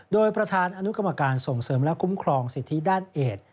โดยประธานอนุกรรมการส่งเสริมและคุ้มครองสิทธิด้านเอก